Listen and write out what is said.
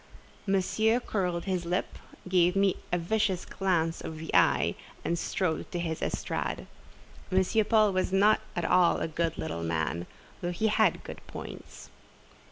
Monsieur curled his lip, gave me a vicious glance of the eye, and strode to his estrade. M. Paul was not at all a good little man, though he had good points.